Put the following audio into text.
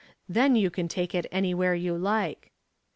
Then you can take it anywhere you like.